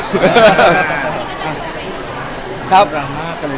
เพื่อนกำลังมาพูด